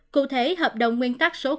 cụ thể hợp đồng nguyên tắc số bảy